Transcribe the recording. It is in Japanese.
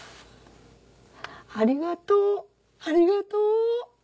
ありがとうありがとう。